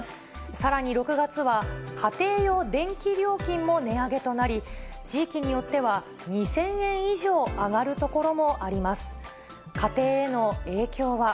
さらに６月は、家庭用電気料金も値上げとなり、地域によっては２０００円以上上がる所もあります。